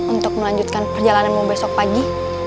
untuk melanjutkan perjalananmu besok pagi